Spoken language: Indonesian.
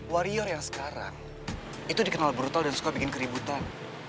warrior yang sekarang itu dikenal brutal dan suka bikin keributan